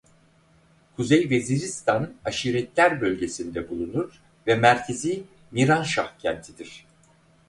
Kuzey Veziristan Aşiretler Bölgesi'nde bulunur ve merkezi Miranşah kentidir.